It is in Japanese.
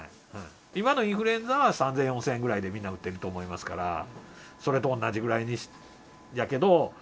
今のインフルエンザは３０００円、４０００円ぐらいでみんな打ってると思いますから、それと同じぐらいやけど。